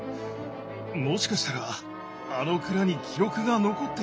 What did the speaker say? もしかしたらあの蔵に記録が残っているかも。